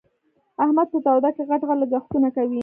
احمد په توده کې؛ غټ غټ لګښتونه کوي.